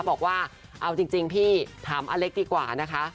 บอกว่าเอาจริงพี่ถามอเล็กดีกว่านะคะ